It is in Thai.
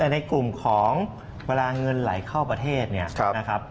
ในกลุ่มของเวลาเงินไหลเข้าประเทศนะครับ